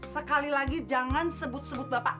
sekali lagi jangan sebut sebut bapak